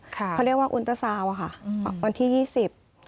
เขาเรียกว่าอุลตะซาวค่ะวันที่๒๐